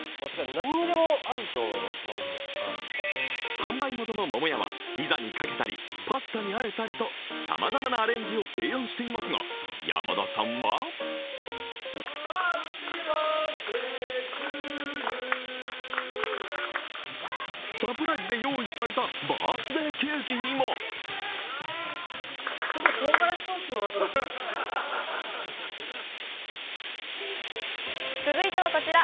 販売元の桃屋はピザにかけたりパスタとあえたりとさまざまなアレンジを提案していますが山田さんはサプライズで用意されたバースデーケーキにも続いてはこちら。